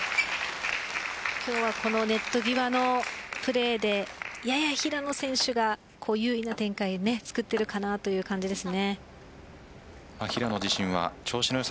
今日はこのネット際のプレーでやや平野選手が優位な展開を作っているという感じです。